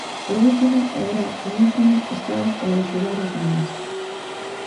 Por último, e era o último, estaba o de axudar aos demais.